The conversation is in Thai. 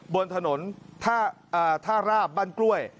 บนถนนท่าราบบ้านกล้วย